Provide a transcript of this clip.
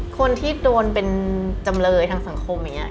คนที่โดนเป็นจำเลยทางสังคมอย่างนี้